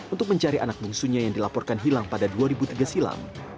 untuk mencari anak bungsunya yang dilaporkan hilang pada dua ribu tiga silam